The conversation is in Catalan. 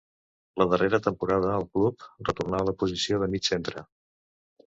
La darrera temporada al club retornà a la posició de mig centre.